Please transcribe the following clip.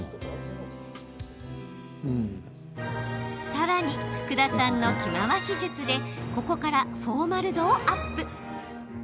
さらに、福田さんの着回し術でここからフォーマル度をアップ。